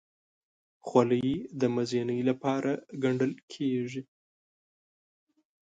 خولۍ د مزینۍ لپاره ګنډل کېږي.